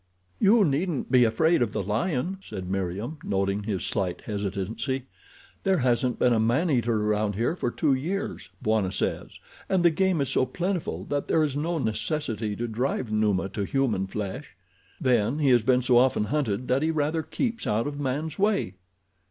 "You needn't be afraid of the lion," said Meriem, noting his slight hesitancy. "There hasn't been a man eater around here for two years, Bwana says, and the game is so plentiful that there is no necessity to drive Numa to human flesh. Then, he has been so often hunted that he rather keeps out of man's way."